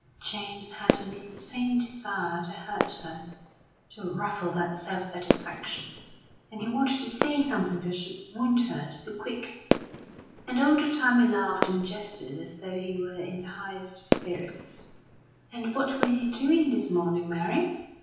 James had an insane desire to hurt her, to ruffle that self satisfaction; and he wanted to say something that should wound her to the quick. And all the time he laughed and jested as though he were in the highest spirits. "And what were you doing this morning, Mary?"